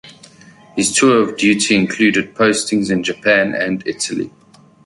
His tour of duty included postings in Japan and Italy.